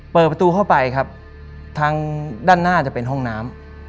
เปิดประตูเข้าไปครับทางด้านหน้าจะเป็นห้องน้ำ